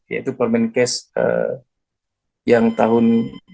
yaitu permain case yang tahun